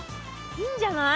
いいんじゃない？